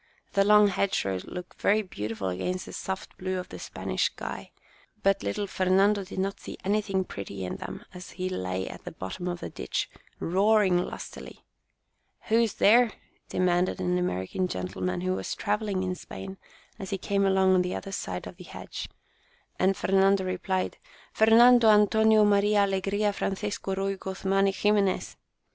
The long hedge rows look very beautiful against the soft blue The Christening 5 of the Spanish sky, but little Fernando did not see anything pretty in them as he lay at the bottom of the ditch, roaring lustily. "Who's there?" demanded an American gentleman, who was travelling in Spain, as he came along on the other side of the hedge, and Fernando replied, " Fernando Antonio Maria Allegria Francisco Ruy Guzman y Ximenez !